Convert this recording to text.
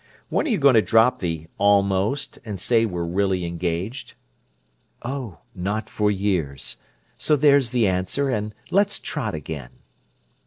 When are you going to drop the 'almost' and say we're really engaged?" "Oh, not for years! So there's the answer, and Let's trot again."